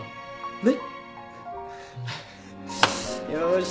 ねっ？